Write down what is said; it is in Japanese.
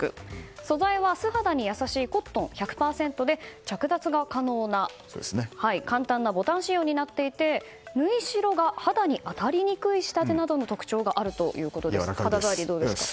素材は、素肌に優しいコットン１００％で着脱が簡単なボタン仕様になっていて縫い代が肌に当たりにくい仕立てなどの特徴があるということです。